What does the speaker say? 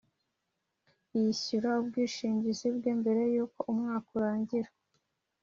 Yishyura ubwishingizi bwe mbere y’uko umwaka urangira